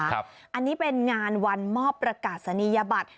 อันนี้เป็นงานวันมอบประกาศนียบัตร